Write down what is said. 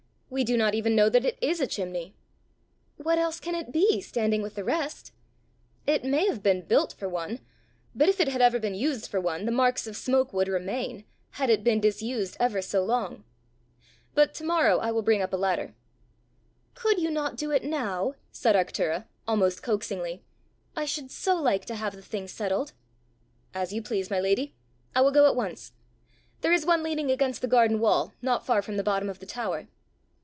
We do not even know that it is a chimney!" "What else can it be, standing with the rest?" "It may have been built for one; but if it had ever been used for one, the marks of smoke would remain, had it been disused ever so long. But to morrow I will bring up a ladder." "Could you not do it now?" said Arctura, almost coaxingly. "I should so like to have the thing settled!" "As you please, my lady! I will go at once. There is one leaning against the garden wall, not far from the bottom of the tower."